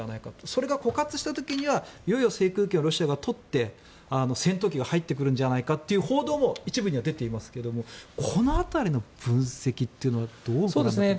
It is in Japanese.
それが枯渇した時にはいよいよ制空権をロシアが取って戦闘機が入ってくるんじゃないかという報道も一部には出ていますがこの辺りの分析というのはどうですか。